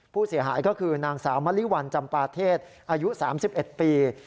ผู้เสียหายก็คือนางสาวมะลิวัลจำปาเทศอายุ๓๑ปี